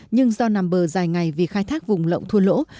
nhưng do nằm bờ dài ngày vì khai thác vùng lộng thua lỗ